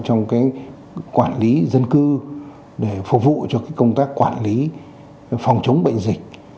trong quản lý dân cư để phục vụ cho công tác quản lý phòng chống bệnh dịch